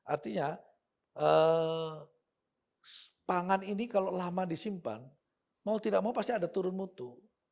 artinya pangan ini kalau lama disimpan mau tidak mau pasti ada turun mutu